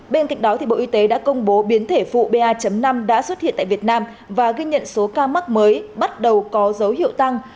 bên cạnh đó bộ y tế đã công bố biến thể phụ ba năm đã xuất hiện tại việt nam và ghi nhận số ca mắc mới bắt đầu có dấu hiệu tăng